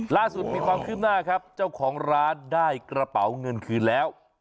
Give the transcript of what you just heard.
ล่าสุดมีความคืบหน้าครับเจ้าของร้านได้กระเป๋าเงินคืนแล้ว